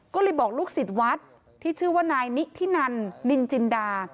ก็เลยบอกลูกศิษย์วัดที่ชื่อว่านายนิธินันนินจินดา